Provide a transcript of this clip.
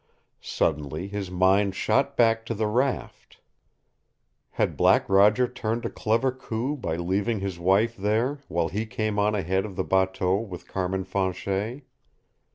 Suddenly his mind shot back to the raft. Had Black Roger turned a clever coup by leaving his wife there, while he came on ahead of the bateau with Carmin Fanchet?